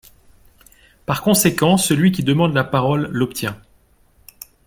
Par conséquent, celui qui demande la parole l’obtient.